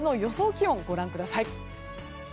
気温ご覧ください。